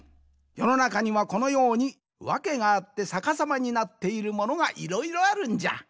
よのなかにはこのようにわけがあってさかさまになっているものがいろいろあるんじゃ。